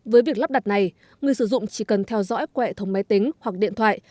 với việc lắp đặt này người sử dụng chỉ cần theo dõi qua hệ thống máy tính hoặc điện thoại